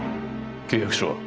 契約書は？